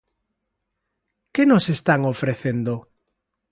Que nos están ofrecendo?